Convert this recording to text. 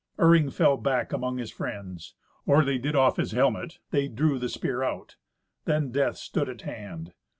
Iring fell back among his friends. Or they did off his helmet, they drew the spear out. Then death stood at hand.